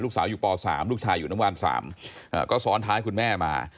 สาวอยู่ป๓ลูกชายอยู่น้ำวัน๓ก็ซ้อนท้ายคุณแม่มา